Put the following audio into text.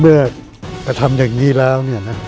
เมื่อกระทำอย่างนี้แล้ว